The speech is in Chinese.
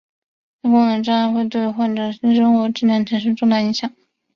性功能障碍会对患者的性生活质量产生重大影响。